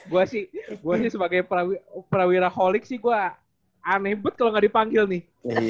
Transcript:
gue sih gue sih sebagai prawira holik sih gue aneh banget kalo gak dipanggil nih